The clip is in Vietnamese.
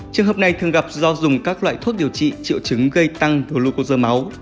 trường hợp này thường gặp do dùng các loại thuốc điều trị triệu chứng gây tăng glucosa máu